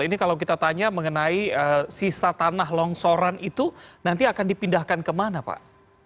ini kalau kita tanya mengenai sisa tanah longsoran itu nanti akan dipindahkan kemana pak